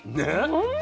うん。